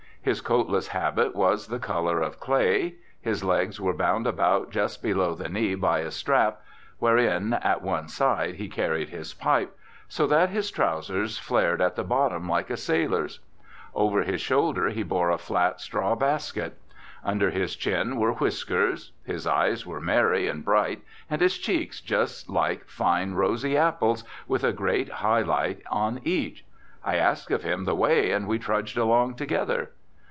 His coatless habit was the colour of clay; his legs were bound about just below the knee by a strap (wherein, at one side, he carried his pipe), so that his trowsers flared at the bottom like a sailor's; over his shoulder he bore a flat straw basket. Under his chin were whiskers; his eyes were merry and bright and his cheeks just like fine rosy apples, with a great high light on each. I asked of him the way and we trudged along together.